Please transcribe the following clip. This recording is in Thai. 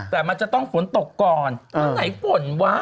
แต่มันจะต้องฝนตกก่อนวันไหนฝนวะ